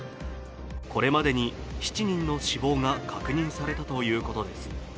これまでに７人の死亡が確認されたということです。